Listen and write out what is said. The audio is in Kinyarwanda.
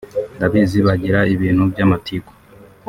ndabizi bagira ibintu by’amatiku